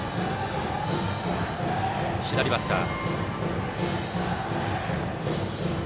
左バッター。